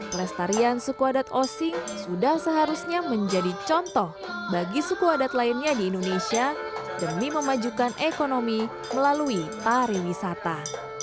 pelestarian suku adat osing sudah seharusnya menjadi contoh bagi suku adat lainnya di indonesia demi memajukan ekonomi melalui pariwisata